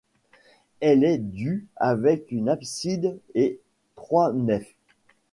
Elle est du avec une abside et trois nefs.